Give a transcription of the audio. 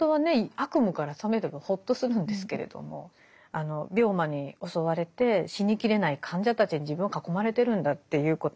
悪夢から覚めればほっとするんですけれども病魔に襲われて死にきれない患者たちに自分は囲まれてるんだっていうこと。